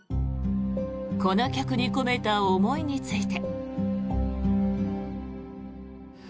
この曲に込めた思いについて。